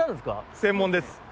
専門です。